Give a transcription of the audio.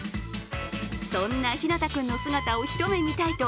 そんなひなた君の姿をひと目見たいと